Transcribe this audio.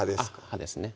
葉ですね